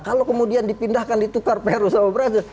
kalau kemudian dipindahkan ditukar peru sama brazil